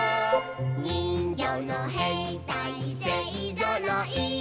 「にんぎょうのへいたいせいぞろい」